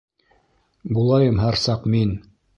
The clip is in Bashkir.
Булайым һәр саҡ мин!